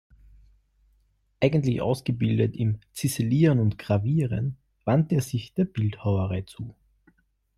Eigentlich ausgebildet im Ziselieren und Gravieren wandte er sich der Bildhauerei zu.